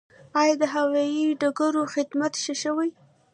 آیا د هوایي ډګرونو خدمات ښه شوي؟